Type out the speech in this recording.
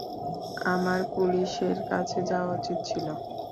আমার পুলিশের কাছে যাওয়া উচিত ছিল।